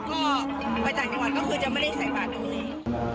ก็ไปต่างจังหวัดก็คือจะไม่ได้ใส่บาทตรงนี้